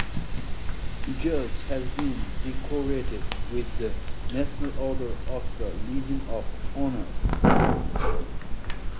George has been decorated with the National Order of the Legion of Honour.